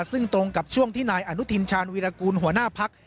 ซึ่งตรงกับช่วงที่นายอนุทินชาญวีรกูลหัวหน้าพัก